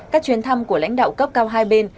các chuyến thăm của lãnh đạo cấp cao hai bên